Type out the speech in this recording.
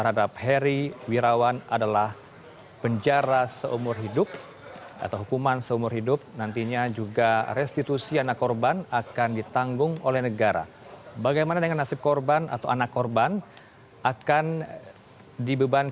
namun demikian apabila dirasakan putusan sesakit ini belum memiliki rasa keadilan dapat mengajukan upaya hukum banding